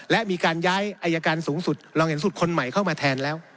และมีการย้ายอายการสูงสุดเราเห็นสุดคนใหม่เข้ามาแทนแล้ว